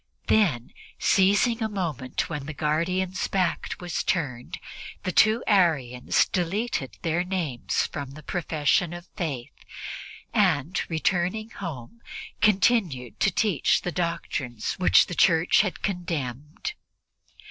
Then, seizing a moment when the guardian's back was turned, the two Arians deleted their names from the profession of Faith and, returning home, continued to teach the doctrines which the Church had condemned.